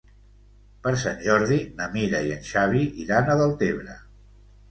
Per Sant Jordi na Mira i en Xavi iran a Deltebre.